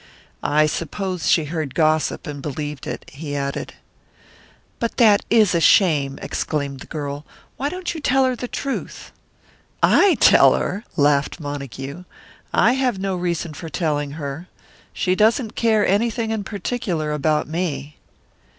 "I suppose she heard gossip and believed it," he added. "But that is a shame!" exclaimed the girl. "Why don't you tell her the truth?" "I tell her?" laughed Montague. "I have no reason for telling her. She doesn't care anything in particular about me."